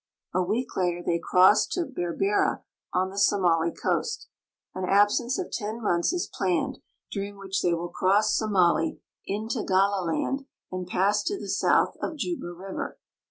A week later they crossed to Berliera, on the Somali coast. An absence of 10 months is planned, during which they will cross Somali into Gallaland and pass to the south of Juba river.